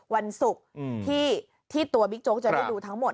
วันศุกร์ที่ตัวบิ๊กโจ๊กจะได้ดูทั้งหมด